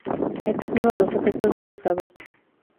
Este es uno de los efectos más usados.